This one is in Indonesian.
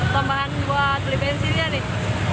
tambahan buat beli bensinnya nih